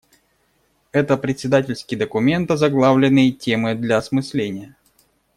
Это председательский документ, озаглавленный "Темы для осмысления".